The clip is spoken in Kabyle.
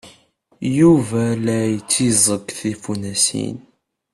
Yuba la itteẓẓeg tifunasin.